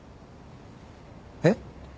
えっ？